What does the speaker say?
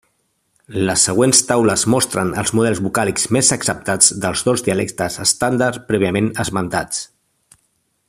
Les següents taules mostren els models vocàlics més acceptats dels dos dialectes estàndard prèviament esmentats.